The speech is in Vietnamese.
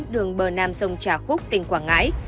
đường bờ nam sông trà khúc tỉnh quảng ngãi